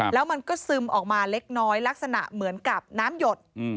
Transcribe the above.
แล้วมันก็ซึมออกมาเล็กน้อยลักษณะเหมือนกับน้ำหยด